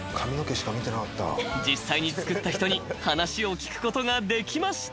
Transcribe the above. ［実際に作った人に話を聞くことができました］